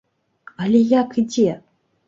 Але як і дзе?